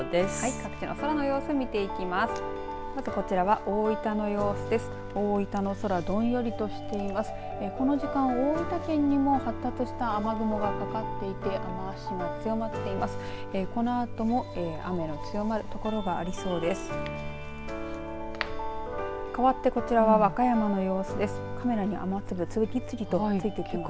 各地の空の様子を見ていきます。